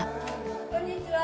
こんにちは。